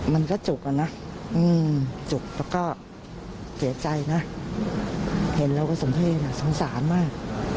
มันก็จุกอะนะจุกแล้วก็เสียใจนะเห็นเราก็สมเหตุสงสารมาก